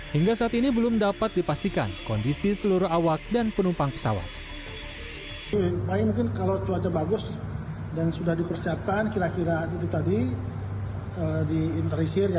hingga saat ini belum dapat dipastikan kondisi seluruh awak dan penumpang pesawat